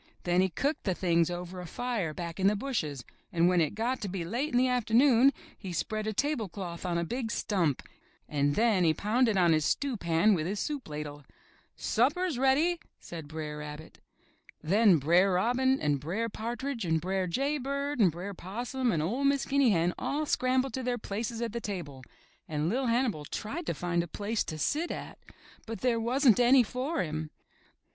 Then he cooked the things over a fire back in the bushes, and when it got to be late in the afternoon he spread a tablecloth on a big stump and then he pounded on his stew pan with his soup ladle. * 'Supper's ready, said Br*er Rabbit. Then Br*er Robin and Br*er Partridge and Br'er Jay Bird and Br'er Possum and 01' Miss Guinea Hen all scrambled to their places at the table and LiT Hannibal tried to find a place to sit at, but there wasn't any for him.